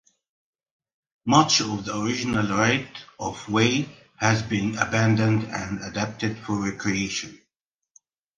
Much of the original right-of-way has been abandoned and adapted for recreation.